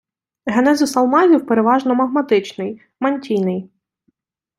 Генезис алмазів переважно магматичний, мантійний.